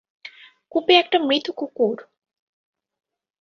কূপে একটা মৃত কুকুর!